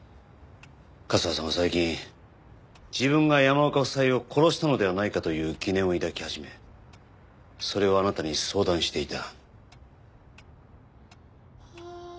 和沙さんは最近自分が山岡夫妻を殺したのではないかという疑念を抱き始めそれをあなたに相談していた。